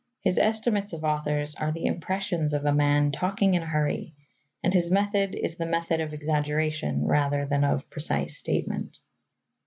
His estimates of authors are the impressions of a man talking in a hurry, and his method is the method of exaggeration rather than of precise statement.